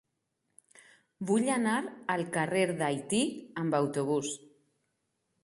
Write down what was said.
Vull anar al carrer d'Haití amb autobús.